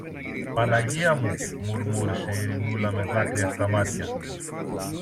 Παναγία μου! μουρμούρισε η Ειρηνούλα με δάκρυα στα μάτια.